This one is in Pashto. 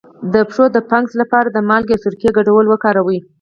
د پښو د فنګس لپاره د مالګې او سرکې ګډول وکاروئ